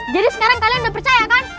jadi sekarang kalian udah percaya kan